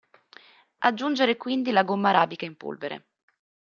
Aggiungere quindi la gomma arabica in polvere.